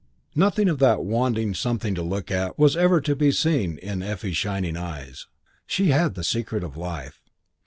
Nothing of that wanting something look was ever to be seen in Effie's shining eyes. She had the secret of life.